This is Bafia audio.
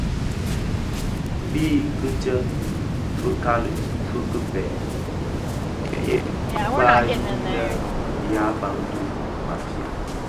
Bi kitsèè fikali fi kibèè, fyè kpaghi lè bë ya Bantu (Bafia).